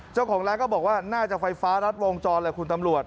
เจ้าของร้านก็บอกว่าน่าจะไฟฟ้ารัดวงจรแหละคุณตำรวจ